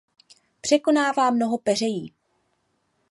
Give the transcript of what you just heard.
Překonává mnoho peřejí.